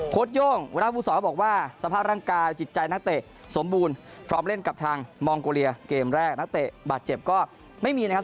โย่งวรบุษรบอกว่าสภาพร่างกายจิตใจนักเตะสมบูรณ์พร้อมเล่นกับทางมองโกเลียเกมแรกนักเตะบาดเจ็บก็ไม่มีนะครับ